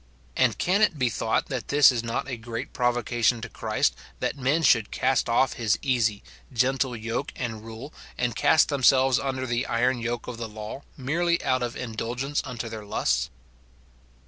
And can it he thought that this is not a great provocation to Christ, that men should cast off his easy, gentle yoke and rule, and cast themselves under the iron yoke of the law, merely out of indulgence unto their lusts